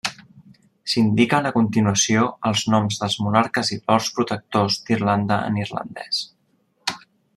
S'indiquen a continuació els noms dels monarques i Lords Protectors d'Irlanda en irlandès.